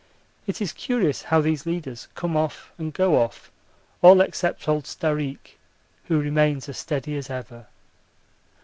It is curious how these leaders come off and go off, all except old Stareek, who remains as steady as ever.